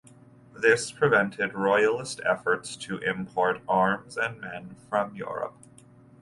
This prevented Royalist efforts to import arms and men from Europe.